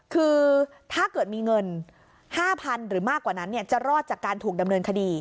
คือถ้าเกิดมีเงิน๕๐๐๐หรือมากกว่านั้นจะรอดจากการถูกดำเนินคดี